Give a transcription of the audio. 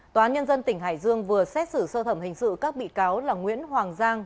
tòa án nhân dân tỉnh hải dương vừa xét xử sơ thẩm hình sự các bị cáo là nguyễn hoàng giang